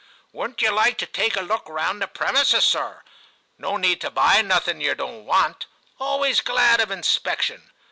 'Wouldn't yer like to take a look round the premisses, sir ? No need to buy nothing yer don't want. Alway glad of inspection.